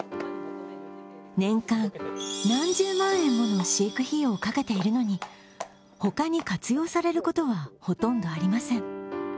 年間何十万円もの飼育費用をかけているのに他に活用されることはほとんどありません。